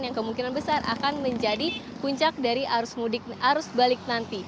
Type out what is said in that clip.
yang kemungkinan besar akan menjadi puncak dari arus balik nanti